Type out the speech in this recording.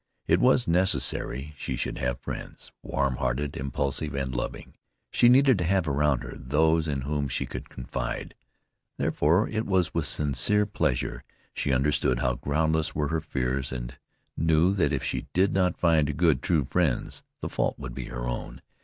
It was necessary she should have friends. Warm hearted, impulsive and loving, she needed to have around her those in whom she could confide. Therefore it was with sincere pleasure she understood how groundless were her fears and knew that if she did not find good, true friends the fault would be her own.